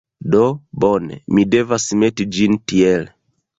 Do, bone, vi devas meti ĝin tiel.